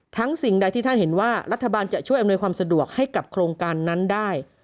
สิ่งใดที่ท่านเห็นว่ารัฐบาลจะช่วยอำนวยความสะดวกให้กับโครงการนั้นได้